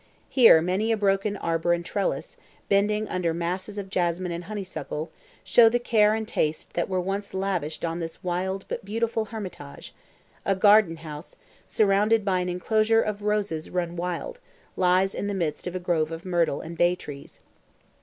Here many a broken arbour and trellis, bending under masses of jasmine and honeysuckle, show the care and taste that were once lavished on this wild but beautiful hermitage: a garden house, surrounded by an enclosure of roses run wild, lies in the midst of a grove of myrtle and bay trees.